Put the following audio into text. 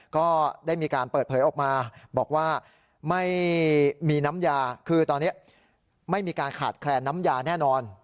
ก็ได้มีการเปิดเผยออกมาบอกว่าไม่มีน้ำยาคือตอนนี้ไม่มีการขาดแคลนน้ำยาแน่นอน